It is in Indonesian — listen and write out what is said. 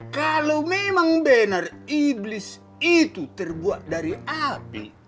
kalau memang benar iblis itu terbuat dari api